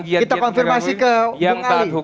kita konfirmasi ke bung ali